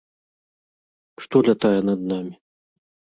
Што лятае над намі?